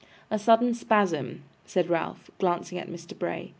'A sudden spasm,' said Ralph, glancing at Mr. Bray.